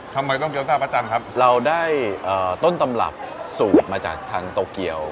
ทำไมต้องเกี๊ตซ่าประจำครับเราได้ต้นตำรับสูตรมาจากทางโตเกียว